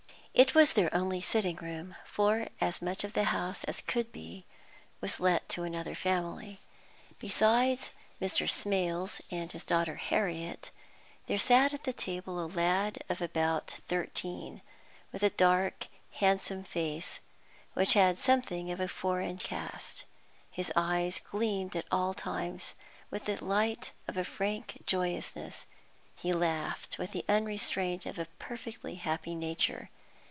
It was their only sitting room, for as much of the house as could be was let to another family. Besides Mr. Smales and his daughter Harriet, there sat at the table a lad of about thirteen, with a dark, handsome face, which had something of a foreign cast His eyes gleamed at all times with the light of a frank joyousness; he laughed with the unrestraint of a perfectly happy nature.